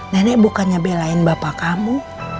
nenek bukannya belain bapak kamu